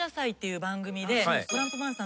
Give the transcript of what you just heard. トランプマンさんと。